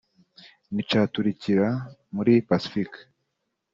ni caturikira muri Pacifique